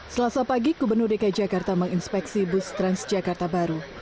selasa pagi gubernur dki jakarta menginspeksi bus transjakarta baru